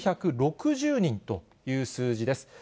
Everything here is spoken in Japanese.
９６０人という数字です。